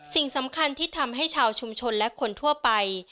สิ่งสำคัญที่ทำให้ชาวชุมชนและคนทั่วไป